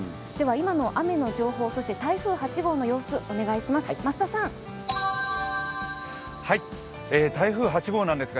今の雨の情報、そして台風８号の様子お願いします